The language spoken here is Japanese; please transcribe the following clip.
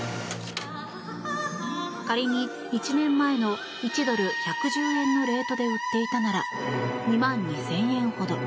仮に１年前の１ドル＝１１０円のレートで売っていたなら２万２０００円ほど。